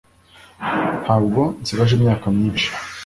ntabwo nsigaje imyaka myinshi